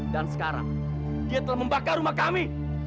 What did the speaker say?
dan sekarang dia telah membakar rumah kami